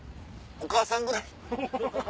お母さんぐらい。